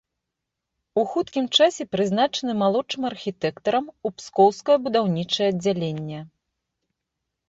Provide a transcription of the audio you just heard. У хуткім часе прызначаны малодшым архітэктарам у пскоўскае будаўнічае аддзяленне.